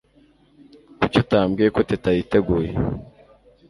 Kuki utambwiye ko Teta yiteguye